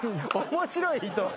面白い人？